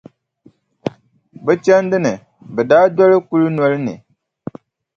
Bɛ chandi ni, bɛ daa doli kulinoli ni.